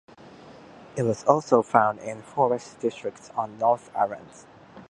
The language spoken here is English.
It was also found in forest districts on the North Island.